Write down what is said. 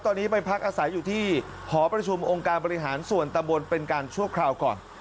ตอนนี้ไปพักอาศัยอยู่ที่หอประชุมองค์การบริหารส่วนตะบนเป็นการชั่วคราวก่อน